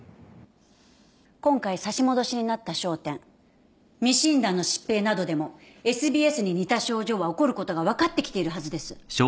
今回差し戻しになった焦点未診断の疾病などでもＳＢＳに似た症状は起こることが分かってきているはずです。